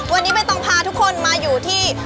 วันนี้ใบตองพาทุกคนมาอยู่ที่